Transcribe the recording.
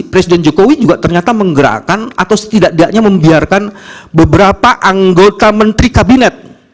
presiden jokowi juga ternyata menggerakkan atau setidak tidaknya membiarkan beberapa anggota menteri kabinet